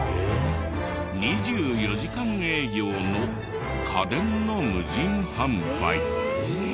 ２４時間営業の家電の無人販売。